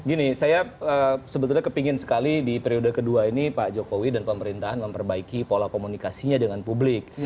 gini saya sebetulnya kepingin sekali di periode kedua ini pak jokowi dan pemerintahan memperbaiki pola komunikasinya dengan publik